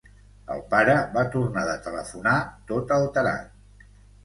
El pare va tornar de telefonar tot alterat.